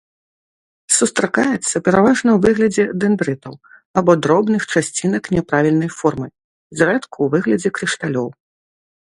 Сустракаецца пераважна ў выглядзе дэндрытаў або дробных часцінак няправільнай формы, зрэдку ў выглядзе крышталёў.